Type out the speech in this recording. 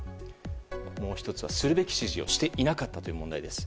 もう１つはするべき指示をしていなかったという問題です。